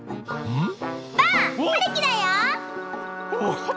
うん！